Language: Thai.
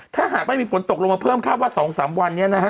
ถ้าหากไม่มีฝนตกลงมาเพิ่มคาดว่า๒๓วันนี้นะฮะ